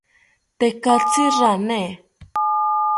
Tekatzi rane